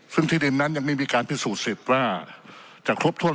ซึ่งที่ดินนั้นยังไม่มีการพิสูจน์สิทธิ์ว่าจะครบถ้วน